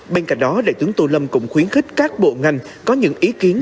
bên cạnh đó đại tướng tô lâm cũng khuyến khích các bộ ngành có những ý kiến